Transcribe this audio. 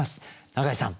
永井さん